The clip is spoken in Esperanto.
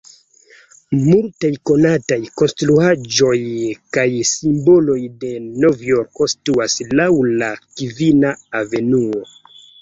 Multaj konataj konstruaĵoj kaj simboloj de Novjorko situas laŭ la Kvina Avenuo.